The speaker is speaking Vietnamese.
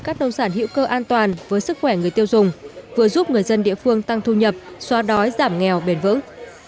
các nông sản hữu cơ an toàn với sức khỏe người tiêu dùng vừa giúp người dân địa phương tăng thu nhập xóa đói giảm nghèo bền vững